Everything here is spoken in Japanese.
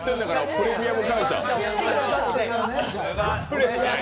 プレミアム感謝！